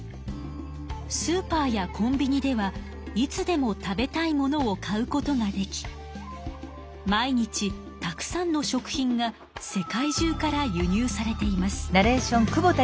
スーパーやコンビニではいつでも食べたいものを買うことができ毎日たくさんの食品が世界中から輸入されています。